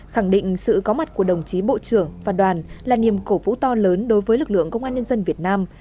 khẳng định sự có mặt của đồng chí bộ trưởng và đoàn là niềm cổ vũ to lớn đối với lực lượng công an nhân dân việt nam